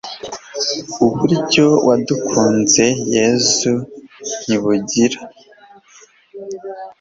uburyo wadukunze yezu, ntibugira